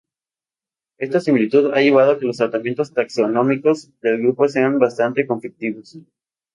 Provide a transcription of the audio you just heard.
Esta similitud ha llevado a que los tratamientos taxonómicos del grupo sean bastante conflictivos.